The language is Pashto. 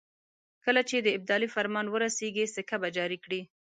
کله چې د ابدالي فرمان ورسېږي سکه به جاري کړي.